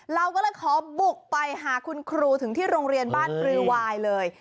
เราก็เลยขอบุกไปหาคุณครูถึงที่โรงเรียนบ้านปลือวายเลย